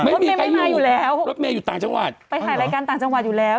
ไม่มีใครมาอยู่แล้วรถเมย์อยู่ต่างจังหวัดไปถ่ายรายการต่างจังหวัดอยู่แล้ว